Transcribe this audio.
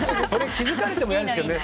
気づかれても嫌ですけどね。